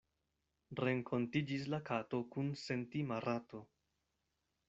Renkontiĝis la kato kun sentima rato.